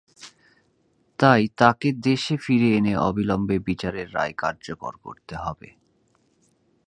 তাই তাঁকে দেশে ফিরিয়ে এনে অবিলম্বে বিচারের রায় কার্যকর করতে হবে।